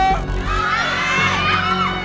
คุณนิกหรือ